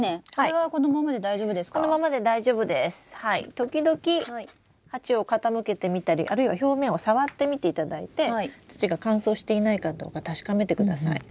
時々鉢を傾けてみたりあるいは表面を触ってみていただいて土が乾燥していないかどうか確かめてください。